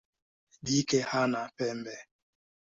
Jike hana pembe.